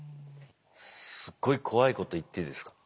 すごい怖いこと言っていいですか？